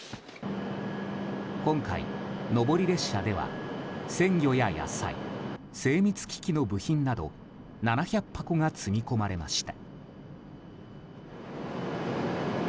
今回、上り列車では鮮魚や野菜、精密機器の部品など７００箱が積み込まれました。